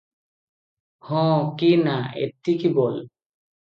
'ହଁ' କି 'ନା' ଏତିକି ବୋଲ ।